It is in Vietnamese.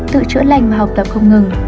tự chữa lành và học tập không ngừng